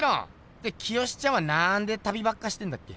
で清ちゃんは何で旅ばっかしてんだっけ？